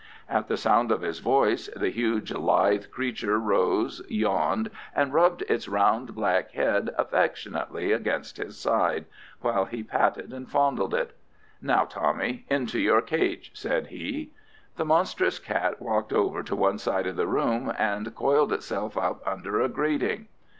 At the sound of his voice the huge, lithe creature rose, yawned, and rubbed its round, black head affectionately against his side, while he patted and fondled it. "Now, Tommy, into your cage!" said he. The monstrous cat walked over to one side of the room and coiled itself up under a grating.